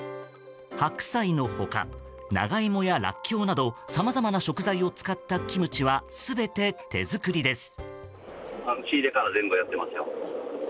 白菜の他、長芋やラッキョウなどさまざまな食材を使ったキムチは全て手作りです。